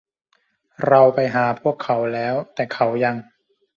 เราไปหาพวกเขาแล้ว แต่เขายัง